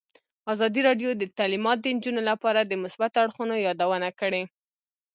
ازادي راډیو د تعلیمات د نجونو لپاره د مثبتو اړخونو یادونه کړې.